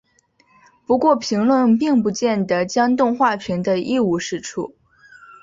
不过评论并不见得将动画评得一无是处。